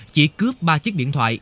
chỉ cướp ba chiếc điện thoại